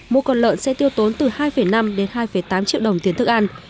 mua con lợn sẽ tiêu tốn từ hai năm đến hai tám triệu đồng tiền thức ăn